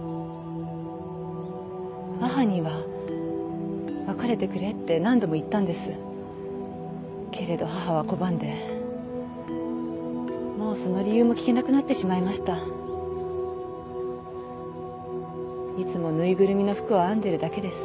母には別れてくれって何度も言ったんですけれど母は拒んでもうその理由も聞けなくなってしまいましたいつもぬいぐるみの服を編んでるだけです